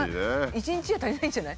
一日じゃ足りないんじゃない？